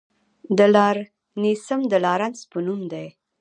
د لارنسیم د لارنس په نوم دی.